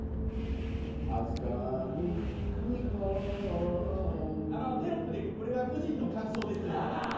熱燗二本あのテロップで「これは個人の感想です」って。